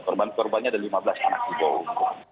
korban korbannya ada lima belas anak di bawah umur